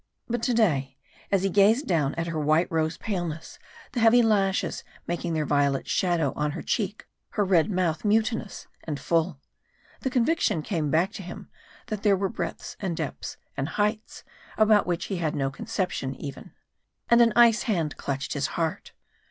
But to day, as he gazed down at her white rose paleness, the heavy lashes making their violet shadow on her cheek her red mouth mutinous and full the conviction came back to him that there were breadths and depths and heights about which he had no conception even. And an ice hand clutched his heart.